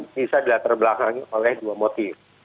bisa diterbelahangi oleh dua motif